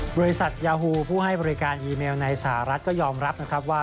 บริษัทยาฮูผู้ให้บริการอีเมลในสหรัฐก็ยอมรับนะครับว่า